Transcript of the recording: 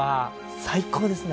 最高ですね